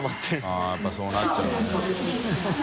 ◆舛やっぱそうなっちゃうよね。